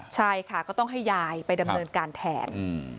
ใช่ค่ะก็ต้องให้ยายไปดำเนินการแทน